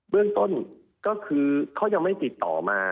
เรื่องต้นก็คือเขายังไม่ติดต่อมา